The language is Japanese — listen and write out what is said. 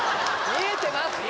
見えてます